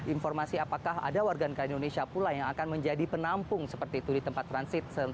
informasi apakah ada warga negara indonesia pula yang akan menjadi penampung seperti itu di tempat transit